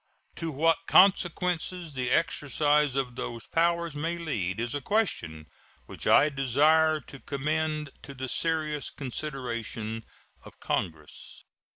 To what consequences the exercise of those powers may lead is a question which I desire to commend to the serious consideration of Congress.